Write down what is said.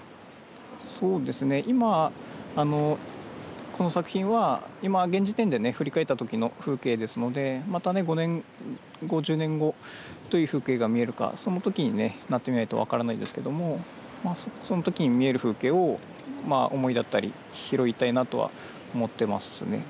今、この作品は現時点で振り返った時の風景ですのでまた５年後、１０年後どういう風景が見えるかその時になってみないと分からないですけどもその時に見える風景を思いだったり、拾いたいなとは思っていますね。